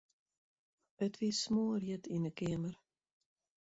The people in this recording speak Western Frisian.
It wie smoarhjit yn 'e keamer.